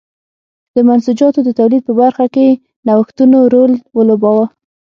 د منسوجاتو د تولید په برخه کې نوښتونو رول ولوباوه.